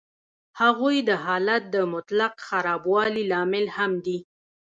هغوی د حالت د مطلق خرابوالي لامل هم دي